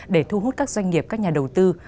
để thu hút các doanh nghiệp các nhà đầu tư